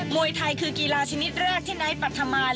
มวยไทยคือกีฬาชนิดเลือกที่ในปัธมาณ